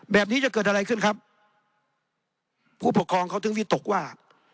แบบนี้จะเกิดอะไรขึ้นครับผู้ปกครองเขาถึงวิตกว่า